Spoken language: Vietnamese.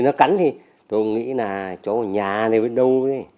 nó cắn thì tôi nghĩ là chó nhà này